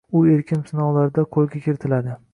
U erkim sinovlarida qo`lga kiritiladi